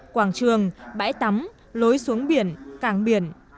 quảng trường bãi tắm lối xuống biển cảng biển